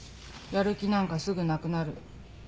やる気なんかすぐなくなる。